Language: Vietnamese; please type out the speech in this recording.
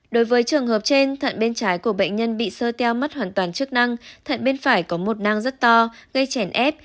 đối với trường hợp trên thận bên trái của bệnh nhân bị sơ teo mất hoàn toàn chức năng thận bên phải có một nang rất to gây chèn ép